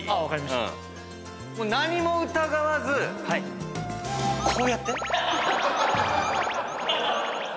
何も疑わずこうやって。